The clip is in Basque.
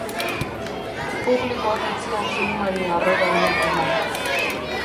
Publikoak ez zion filmari harrera onik eman.